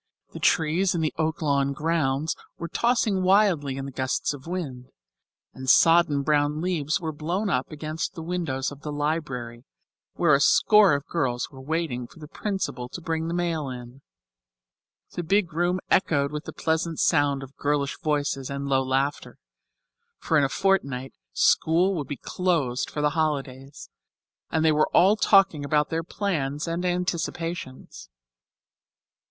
The trees in the Oaklawn grounds were tossing wildly in the gusts of wind, and sodden brown leaves were blown up against the windows of the library, where a score of girls were waiting for the principal to bring the mail in. The big room echoed with the pleasant sound of girlish voices and low laughter, for in a fortnight school would close for the holidays, and they were all talking about their plans and anticipations.